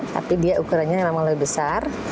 tapi dia ukurannya memang lebih besar